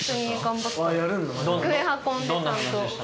机運んでちゃんと。